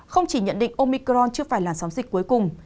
không chỉ nhận định omicron chưa phải là sóng dịch cuối cùng